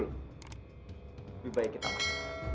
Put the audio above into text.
lebih baik kita makan